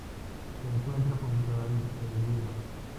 Se encuentra junto al Cervino.